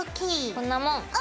こんなもん！